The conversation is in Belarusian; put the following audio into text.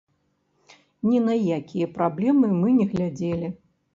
Ні на якія праблемы мы не глядзелі.